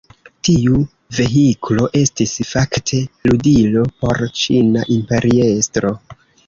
Tiu vehiklo estis fakte ludilo por ĉina imperiestro.